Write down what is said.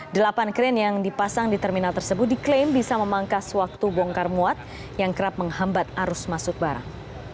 delapan krain yang dipasang di terminal tersebut diklaim bisa memangkas waktu bongkar muat yang kerap menghambat arus masuk barang